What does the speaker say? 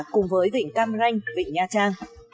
cùng với vịnh cam ranh vịnh nha trang